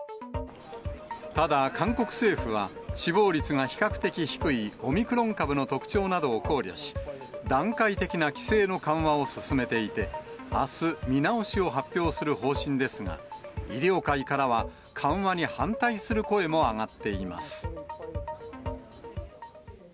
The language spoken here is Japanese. ただ、韓国政府は、死亡率が比較的低いオミクロン株の特徴などを考慮し、段階的な規制の緩和を進めていて、あす、見直しを発表する方針ですが、医療界からは、緩和に反対する声も上がっています。